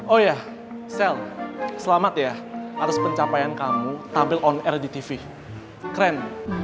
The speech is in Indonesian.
oh ya sale selamat ya atas pencapaian kamu tampil on air di tv keren